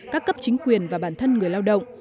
các cấp chính quyền và bản thân người lao động